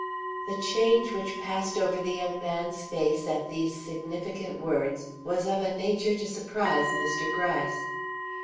The change which passed over the young man's face at these significant words was of a nature to surprise Mr. Gryce.